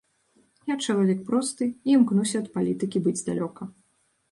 Я чалавек просты і імкнуся ад палітыкі быць далёка.